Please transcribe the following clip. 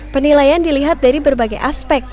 penilaian dilihat dari berbagai aspek